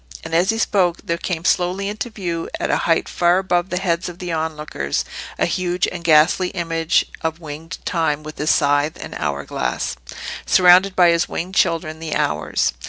And as he spoke there came slowly into view, at a height far above the heads of the onlookers, a huge and ghastly image of Winged Time with his scythe and hour glass, surrounded by his winged children, the Hours.